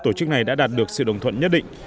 tổ chức này đã đạt được sự đồng thuận nhất định